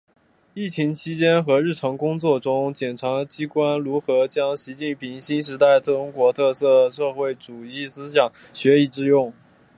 疫情期间和日常工作中检察机关如何将习近平新时代中国特色社会主义思想学以致用